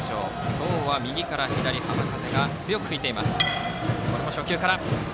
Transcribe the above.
今日は右から左浜風が強く吹いています。